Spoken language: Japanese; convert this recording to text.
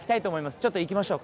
ちょっと行きましょう。